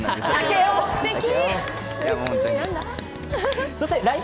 竹雄、すてき。